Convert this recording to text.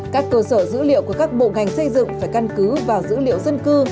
các cơ sở dữ liệu của các bộ ngành xây dựng phải căn cứ vào dữ liệu dân cư